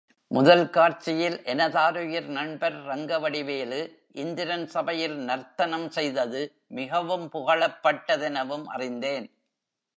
முதல் காட்சியில் எனதாருயிர் நண்பர் ரங்கவடிவேலு, இந்திரன் சபையில் நர்த்தனம் செய்தது மிகவும் புகழப்பட்டதெனவும் அறிந்தேன்.